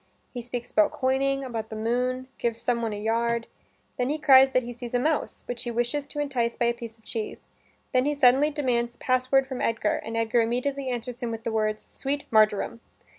He speaks about coining, about the moon, gives some one a yard then he cries that he sees a mouse, which he wishes to entice by a piece of cheese. Then he suddenly demands the password from Edgar, and Edgar immediately answers him with the words "Sweet marjoram."